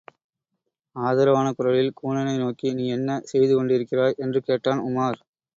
ஆதரவான குரலில் கூனனை நோக்கி, நீ என்ன செய்துகொண்டிருக்கிறாய்? என்று கேட்டான் உமார்.